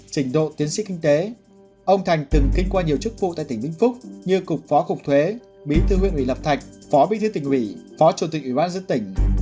trình độ tiến sĩ kinh tế ông thành từng kinh qua nhiều chức vụ tại tỉnh vĩnh phúc như cục phó cục thuế bí thư huyện ủy lập thạch phó bí thư tỉnh ủy phó chủ tịch ủy ban dân tỉnh